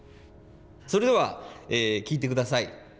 それでは聴いてください。